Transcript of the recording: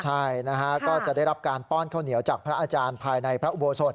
ใช่นะฮะก็จะได้รับการป้อนข้าวเหนียวจากพระอาจารย์ภายในพระอุโบสถ